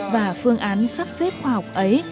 và phương án sắp xếp khoa học ấy